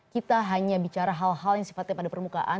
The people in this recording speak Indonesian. kita hanya bicara hal hal yang sifatnya pada permukaan